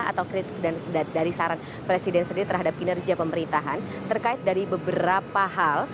atau kritik dari saran presiden sendiri terhadap kinerja pemerintahan terkait dari beberapa hal